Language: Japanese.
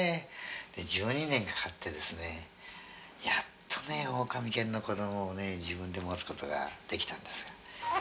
１２年かかってですねやっとオオカミ犬の子供を自分で持つことができたんです。